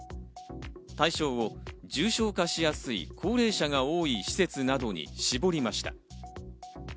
対象を重症化しやすい高齢者が多い施設などに絞りました。